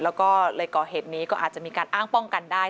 แล้วก็เลยก่อเหตุนี้ก็อาจจะมีการอ้างป้องกันได้